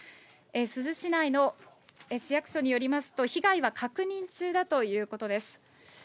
珠洲市内の市役所によりますと、被害は確認中だということです。